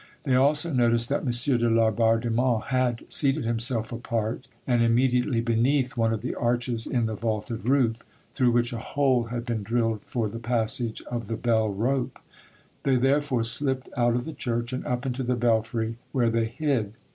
They also noticed that M. de Laubardemont had seated himself apart and immediately beneath one of the arches in the vaulted roof, through which a hole had been drilled for the passage of the bell rope. They therefore slipped out of the church, and up into the belfry, where they hid.